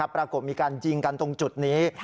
ปรากฏมีการยิงกันตรงจุดนี้